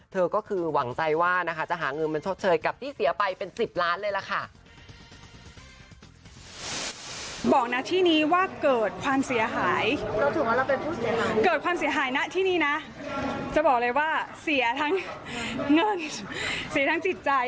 เธอก็คือหวังใจว่าจะหาเงินเฉิดเฉยกับที่เสียไปเป็น๑๐ล้านบาทเลยค่ะ